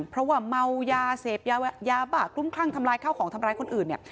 เพราะว่าเม้ายาเสพยาบาทำร้ายข้าวของทำร้ายคนอื่น